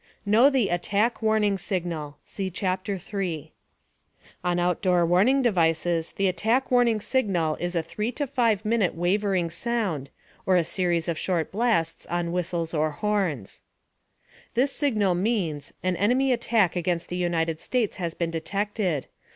* KNOW THE ATTACK WARNING SIGNAL (See Chapter 3, page 17) * On outdoor warning devices, the Attack Warning Signal is a 3 to 5 minute wavering sound, or a series of short blasts on whistles or horns. * This signal means: An enemy attack against the United States has been detected.